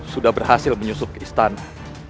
sudah berhasil menyusup ke istana